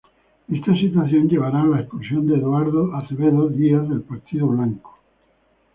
Esta situación llevará a la expulsión de Eduardo Acevedo Díaz del Partido Blanco.